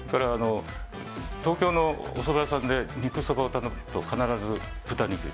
東京のおそば屋さんで肉そばを頼むと必ず豚肉。